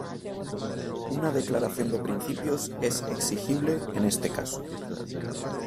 Una declaración de principios es exigible, en este caso.